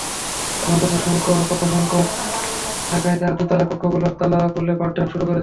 মাদ্রাসায় কক্ষসংকট থাকায় তাঁরা দোতলার কক্ষগুলোর তালা খুলে পাঠদান শুরু করেছেন।